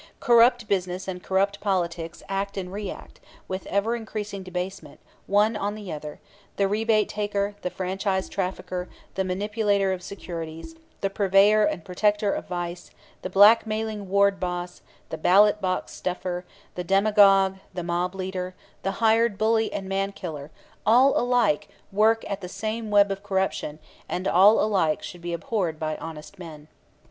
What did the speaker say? Corrupt business and corrupt politics act and react, with ever increasing debasement, one on the other; the rebate taker, the franchise trafficker, the manipulator of securities, the purveyor and protector of vice, the black mailing ward boss, the ballot box stuffer, the demagogue, the mob leader, the hired bully and mankiller, all alike work at the same web of corruption, and all alike should be abhorred by honest men.